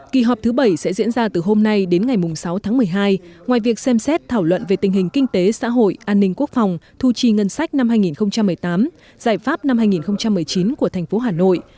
kỳ họp thứ bảy sẽ diễn ra từ hôm nay đến ngày sáu tháng một mươi hai ngoài việc xem xét thảo luận về tình hình kinh tế xã hội an ninh quốc phòng thu chi ngân sách năm hai nghìn một mươi tám giải pháp năm hai nghìn một mươi chín của thành phố hà nội